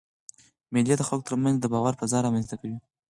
مېلې د خلکو ترمنځ د باور فضا رامنځ ته کوي.